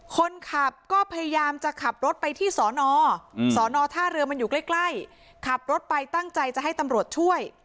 คนขับก็พยายามจะขับรถไปที่สอนอสอนอท่าเรือมันอยู่ใกล้ขับรถไปตั้งใจจะให้ตำรวจช่วย